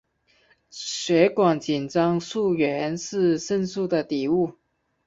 血管紧张素原是肾素的底物。